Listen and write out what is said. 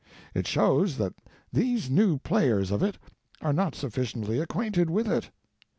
It shows that these new players of it are not sufficiently acquainted with it.